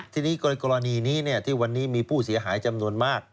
ทีนี้กรณีนี้ที่วันนี้มีผู้เสียหายจำนวนมาก